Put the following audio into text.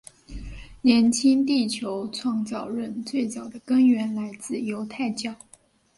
年轻地球创造论最早的根源来自犹太教。